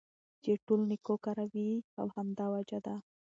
چې ټول نيكو كاره وي او همدا وجه ده